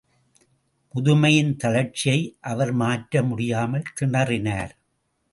முதுமையின் தளர்ச்சியை அவர் மாற்ற முடியாமல் திணறினார்.